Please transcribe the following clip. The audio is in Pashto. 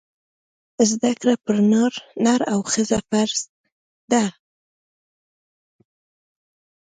زده کړه پر نر او ښځي فرځ ده